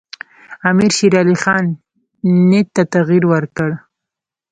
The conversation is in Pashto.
امیرشیرعلي خان نیت ته تغییر ورکړ.